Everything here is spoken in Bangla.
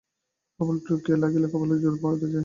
কপাল ঠুকিয়া লাগিলেই কপালের জোরও বাড়ে।